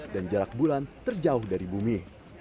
dan jarak bulan terjauh dari bumi